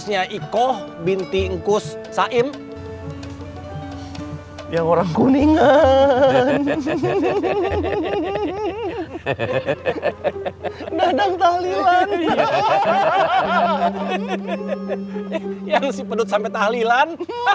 yang si pedut sampai tahlilan